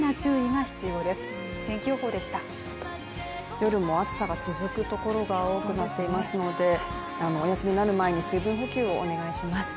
夜も暑さが続くところが多くなっていますのでお休みになる前に水分補給をお願いします。